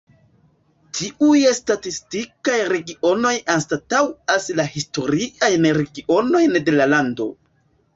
Tiuj statistikaj regionoj anstataŭas la historiajn regionojn de la lando.